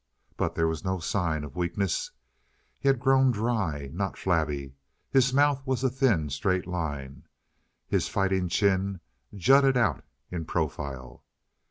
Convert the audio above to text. But there was no sign of weakness. He had grown dry, not flabby. His mouth was a thin, straight line, and his fighting chin jutted out in profile.